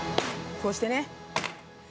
こうしてね。